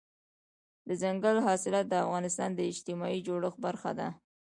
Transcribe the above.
دځنګل حاصلات د افغانستان د اجتماعي جوړښت برخه ده.